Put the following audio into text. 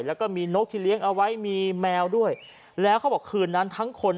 แล้วก็มีนกที่เลี้ยงเอาไว้มีแมวด้วยแล้วเขาบอกคืนนั้นทั้งคน